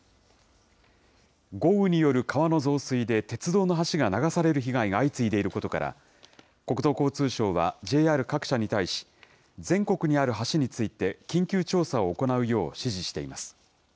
豪雨による川の増水で鉄道の橋が流される被害が相次いでいることから、国土交通省はＪＲ各社に対し、全国にある橋について緊急調査を行うよう指示しています。